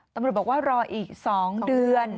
ตำรวจบอกว่ารออีก๒เดือน